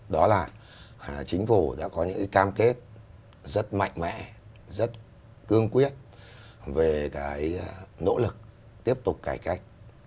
đó là chính phủ đã có những cam kết rất mạnh mẽ rất cương quyết về cái nỗ lực tiếp tục cải cách